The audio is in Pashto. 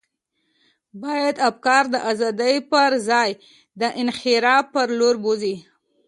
باید افکار د ازادۍ پر ځای د انحراف پر لور بوزي.